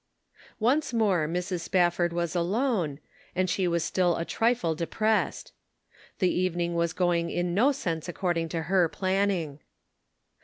Once more Mrs. Spafford was alone, and she was still a trifle depressed. The evening was going in no sense according to her planning.